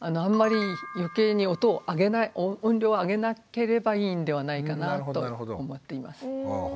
あんまり余計に音量を上げなければいいんではないかなと思っています。